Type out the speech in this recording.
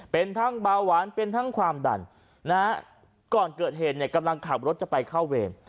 เป็นทั้งเบาหวานเป็นทั้งความดันนะฮะก่อนเกิดเหตุเนี่ยกำลังขับรถจะไปเข้าเวร